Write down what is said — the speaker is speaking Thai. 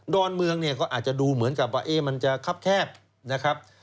อนเมืองเนี่ยก็อาจจะดูเหมือนกับว่ามันจะคับแคบนะครับ